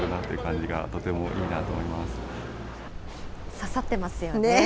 ささってますよね。